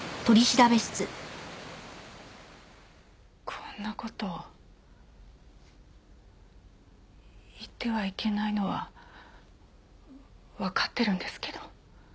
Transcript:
こんな事言ってはいけないのはわかってるんですけど。